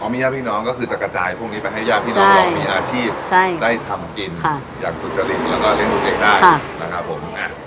อ๋อเป็นยาดพี่น้องกับบาออฟแขยงข้ายทั้งหมด